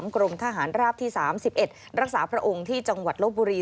กรมทหารราบที่๓๑รักษาพระองค์ที่จังหวัดลบบุรี